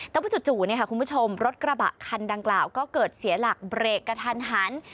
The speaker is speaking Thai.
แต่ว่าจู่คุณผู้ชมรถกระบะคันดังกล่าวก็เกิดเสียหลักเบรกกระทันหัน